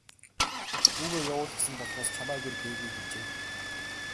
Хүүгээ явуул гэсэн болохоос чамайг ир гээгүй гэжээ.